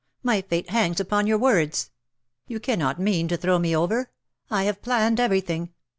My fate hangs upon your words. 231 You cannot mean to throw me over. I have planned everything.